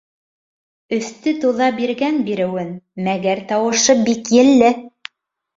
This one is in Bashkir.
— Өҫтө туҙа биргән биреүен, мәгәр тауышы бик елле.